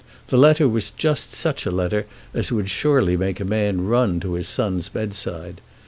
The letter was just such a letter as would surely make a man run to his son's bedside.